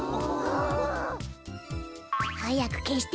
はやくけして。